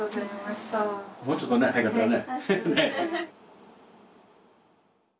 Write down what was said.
もうちょっとね早かったらね。